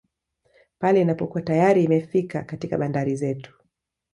Pale inapokuwa tayari imefika katika bandari zetu